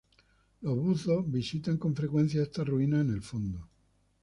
Los buzos visitan con frecuencia estas ruinas en el fondo.